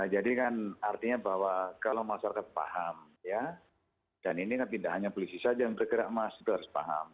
jadi kan artinya bahwa kalau masyarakat paham ya dan ini kan tidak hanya polisi saja yang bergerak mas kita harus paham